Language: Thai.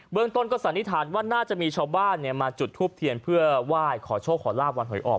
เมืองต้นก็สันนิษฐานว่าน่าจะมีชาวบ้านมาจุดทูปเทียนเพื่อไหว้ขอโชคขอลาบวันหอยออก